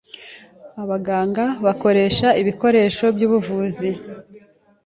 Abaganga bakoresha ibikoresho byubuvuzi.